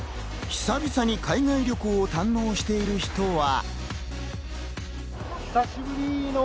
久々に海外旅行を堪能している人は。